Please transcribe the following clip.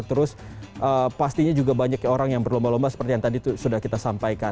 terus pastinya juga banyak orang yang berlomba lomba seperti yang tadi sudah kita sampaikan